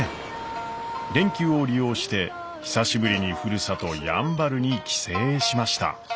連休を利用して久しぶりにふるさとやんばるに帰省しました。